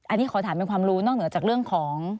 อันนี้ขอถามเป็นความรู้นอกเหนือจากเรื่องของ